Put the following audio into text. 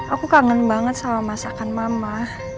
aku kangen banget sama masakan mama